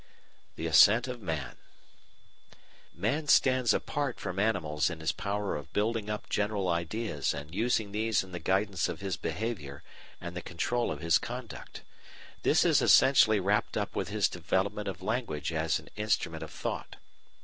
The Ascent of Man Man stands apart from animals in his power of building up general ideas and of using these in the guidance of his behaviour and the control of his conduct. This is essentially wrapped up with his development of language as an instrument of thought.